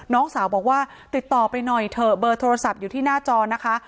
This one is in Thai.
น้องสาวบอกว่าติดต่อไปหน่อยเถอะเบอร์โทรศัพท์อยู่ที่หน้าจอนะคะ